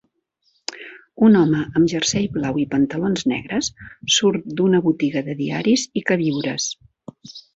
Un home amb jersei blau i pantalons negres surt d'una botiga de diaris i queviures.